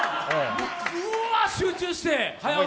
ぶわー集中して。